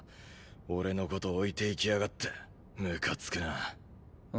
俺の事置いていきやがってむかつくなあ。